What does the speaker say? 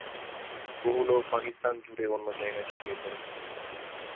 বহু লোক পাকিস্তান জুড়ে অন্য জায়গায় ছড়িয়ে পড়েছে।